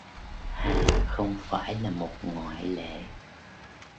Hà không phải là một ngoại lệ